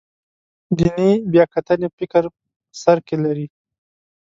دیني بیاکتنې فکر په سر کې لري.